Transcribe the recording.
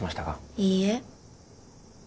いいえ